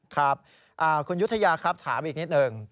ครับคุณยุธยาครับถามอีกนิดหนึ่ง